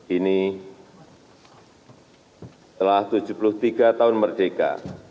ini telah tujuh puluh tiga tahun merdeka